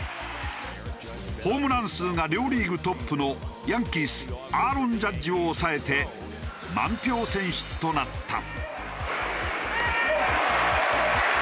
ホームラン数が両リーグトップのヤンキースアーロン・ジャッジを抑えて満票選出となった。